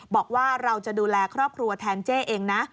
บอกว่าเราจะดูแลครอบครัวแทนเจ๊เองนะ